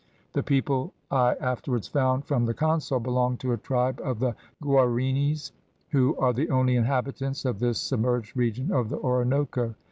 The people I afterwards found from the consul, belonged to a tribe of the Guarinis, who are the only inhabitants of this submerged region of the Orinoco.